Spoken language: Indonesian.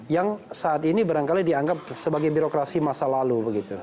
yang saat ini barangkali dianggap sebagai birokrasi masa lalu